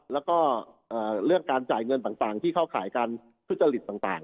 แล้วก็เอ่อเรื่องการจ่ายเงินต่างต่างที่เข้าขายการพฤติฤทธิ์ต่างต่าง